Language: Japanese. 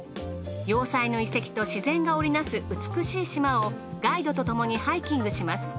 要塞の遺跡と自然が織りなす美しい島をガイドとともにハイキングします。